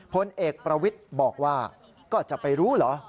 พลเอกประวิทย์บอกว่าก็จะไปรู้เหรอ